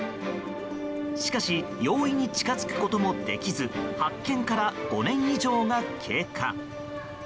しかし容易に近づくこともできず発見から５年以上が経過。